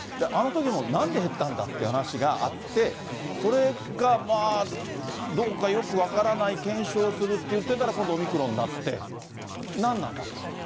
あのときもなんで減ったんだっていう話があって、それがまあ、どうかよく分からない、検証するって言ってたら、今度オミクロンになって、なんなんだと。